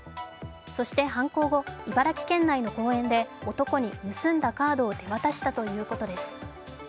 そして犯行後、茨城県内の公園で男に盗んだカードを手渡したということです。